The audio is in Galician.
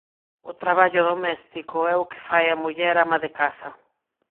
O traballo doméstico é o que fai a muller ama de casa.